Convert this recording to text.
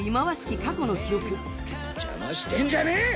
き過去の記憶邪魔してんじゃねえ！